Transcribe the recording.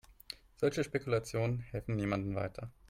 Solche Spekulationen helfen niemandem weiter.